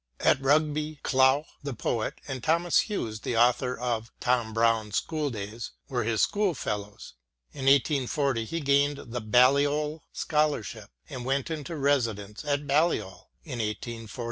At Rugby, Clough, the poet, and Thomas Hughes, the author of " Tom Brown's Schooldays," were his schoolfellows. In 1840 he gained the Balliol Scholarship and went into residence at Balliol in 1 841.